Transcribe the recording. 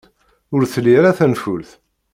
Ur tli ara tanfult.